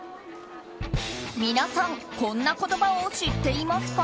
皆さん、こんな言葉を知っていますか？